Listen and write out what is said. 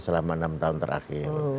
selama enam tahun terakhir